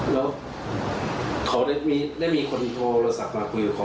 แล้วเขาได้มีคนโทรศัพท์มาคุยกับเขา